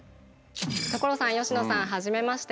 所さん佳乃さんはじめまして。